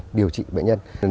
cứ điều trị bệnh nhân